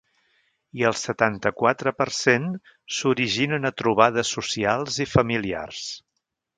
I el setanta-quatre per cent s’originen a trobades socials i familiars.